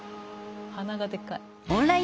鼻がでかい。